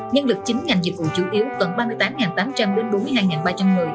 nhân lực chín ngành dịch vụ chủ yếu cần ba mươi tám tám trăm linh đến bốn mươi hai ba trăm một mươi